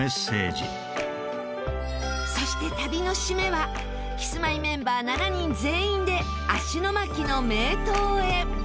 そして旅の締めはキスマイメンバー７人全員で芦ノ牧の名湯へ。